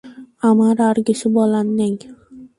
আমার আর কিছু বলার নেই।